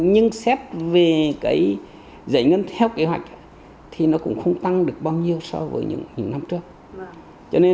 nhưng xét về cái giải ngân theo kế hoạch thì nó cũng không tăng được bao nhiêu so với những năm trước